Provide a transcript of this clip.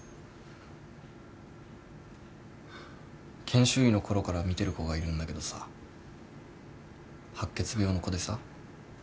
研修医の頃から診てる子がいるんだけどさ白血病の子でさ。